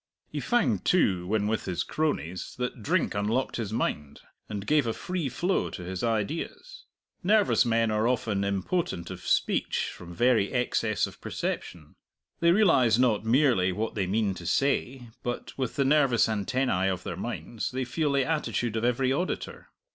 He found, too, when with his cronies that drink unlocked his mind, and gave a free flow to his ideas. Nervous men are often impotent of speech from very excess of perception; they realize not merely what they mean to say, but with the nervous antennæ of their minds they feel the attitude of every auditor.